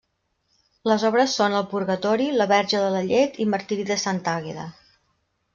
Les obres són El Purgatori, La Verge de la Llet i Martiri de Santa Àgueda.